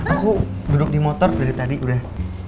aku duduk di motor dari tadi udah